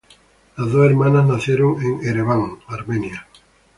Las dos hermanas nacieron en Ereván, Armenia.